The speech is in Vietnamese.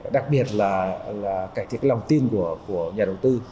đặc biệt là cải thiện lòng tin của nhà đầu tư